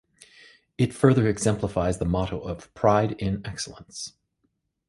It further exemplifies the motto of Pride in Excellence.